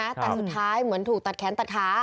แต่สุดท้ายเหมือนถูกตัดแขนตัดขา